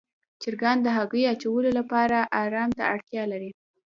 چرګان د هګیو اچولو لپاره آرام ته اړتیا لري.